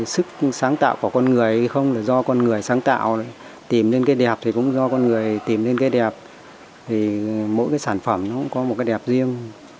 sức sáng tạo của con người không là do con người sáng tạo tìm lên cái đẹp thì cũng do con người tìm lên cái đẹp thì mỗi cái sản phẩm nó cũng có một cái đẹp riêng